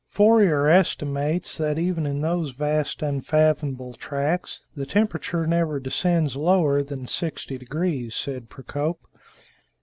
"Fourier estimates that even in those vast unfathomable tracts, the temperature never descends lower than 60 degrees," said Procope.